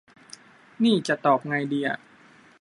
นี่จะตอบไงดีอะ